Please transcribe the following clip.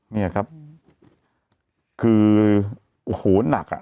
เนี้ยครับคือโอ้โหนัก